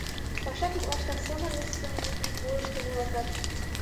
Паша коклаштак сылне деч сылне мурыштым муралтат.